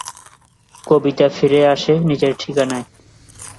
কবিতা ফিরে আসে নিজের ঠিকানায়।